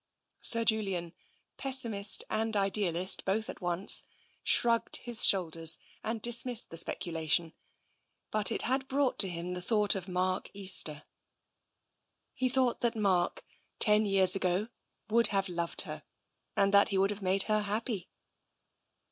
Sir Julian, pessimist and idealist both at once, shrugged his shoulders and dismissed the speculation. But it had brought him to the thought of Mark Easter. He thought that Mark, ten years ago, would have loved her, and that he would have made her happy.